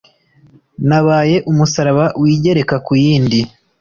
Nabaye umusaraba Wigereka ku yindi